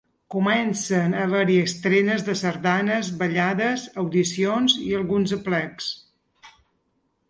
Comencen a haver-hi estrenes de sardanes, ballades, audicions i alguns aplecs.